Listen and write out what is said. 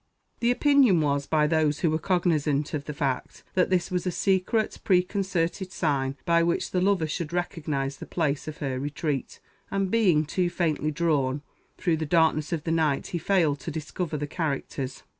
The opinion was, by those who were cognizant of the fact, that this was a secret, preconcerted sign by which the lover should recognize the place of her retreat; and being too faintly drawn, through the darkness of the night he failed to discover the characters.